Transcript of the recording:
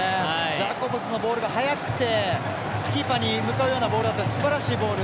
ジャコブスのボールが速くてキーパーに向かうようなすばらしいボール。